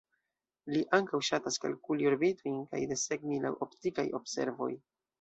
Li ankaŭ ŝatas kalkuli orbitojn kaj desegni laŭ optikaj observoj.